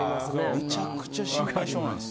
めちゃくちゃ心配性なんです。